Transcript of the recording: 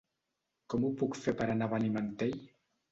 Com ho puc fer per anar a Benimantell?